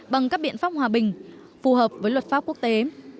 bằng các biện pháp hòa bình phù hợp với luật pháp quốc tế